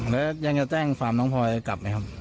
แล้วยังจะแจ้งความน้องพลอยกลับไหมครับ